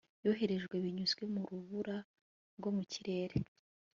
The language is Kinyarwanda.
yoherejwe binyuze mu rubura rwo mu kirere